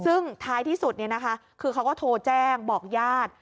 ซึ่งท้ายที่สุดคือเขาก็โทรแจ้งบอกญาติ